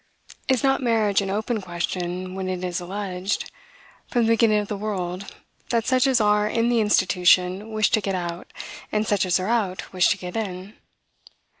Is not marriage an open question when it is alleged, from the beginning of the world, that such as are in the institution wish to get out, and such as are out wish to get in?